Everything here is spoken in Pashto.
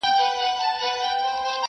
خزان یې مه کړې الهي تازه ګلونه!